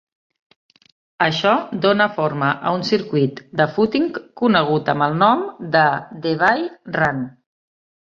Això dona forma a un circuit de fúting conegut amb el nom de The Bay Run.